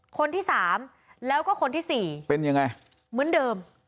คนที่สามแล้วก็คนที่สี่เป็นยังไงเหมือนเดิม